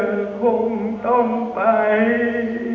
กล่อยให้ร้องไปดีกว่า